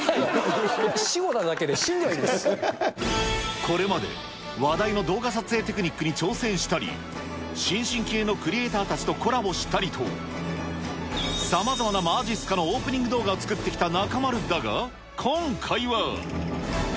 死語なだけで死んではいないこれまで話題の動画撮影テクニックに挑戦したり、新進気鋭のクリエーターたちとコラボしたりと、さまざまなまじっすかのオープニング動画を作ってきた中丸だが、今回は。